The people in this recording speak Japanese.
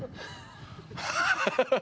ハハハハ。